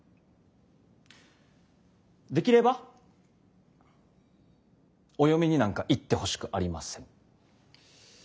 できればお嫁になんか行ってほしくありません。